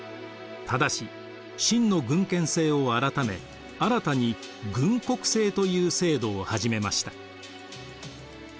ただし秦の郡県制を改め新たに郡国制という制度を始めました。